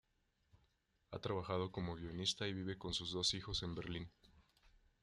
Ha trabajado como guionista y vive con sus dos hijos en Berlín.